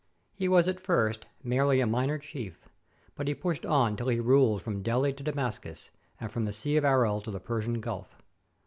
He was at first merely a minor chief, but he pushed on till he ruled from Delhi to Damascus, and from the Sea of Aral to the Persian Gulf.